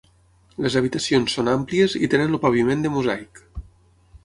Les habitacions són àmplies i tenen el paviment de mosaic.